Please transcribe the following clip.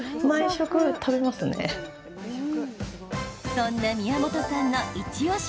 そんな宮本さんのイチおし